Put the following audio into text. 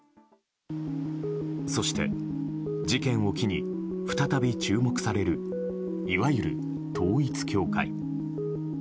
そして、事件を機に再び注目されるいわゆる統一教会。